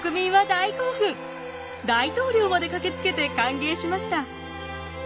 大統領まで駆けつけて歓迎しました。